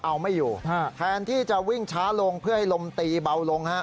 เอาไม่อยู่แทนที่จะวิ่งช้าลงเพื่อให้ลมตีเบาลงฮะ